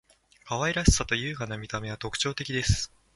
可愛らしさと優雅な見た目は特徴的です．